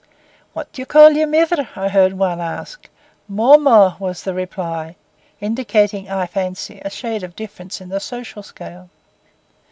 'What do you call your mither?' I heard one ask. 'Mawmaw,' was the reply, indicating, I fancy, a shade of difference in the social scale.